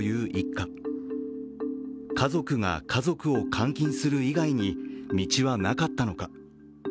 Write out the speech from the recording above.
家族が、家族を監禁する以外に道はなかったのか。